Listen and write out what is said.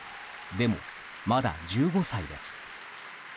でも、まだ１５歳です。